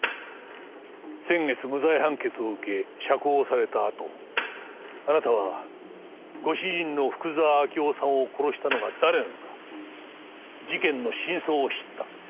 先月無罪判決を受け釈放されたあとあなたはご主人の福沢明夫さんを殺したのが誰なのか事件の真相を知った。